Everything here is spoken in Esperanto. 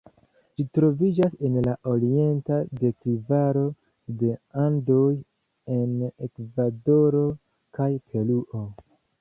Ĝi troviĝas en la orienta deklivaro de Andoj en Ekvadoro kaj Peruo.